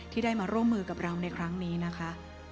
ที่ได้มาร่วมมือกับเราในครั้งนี้นะคะ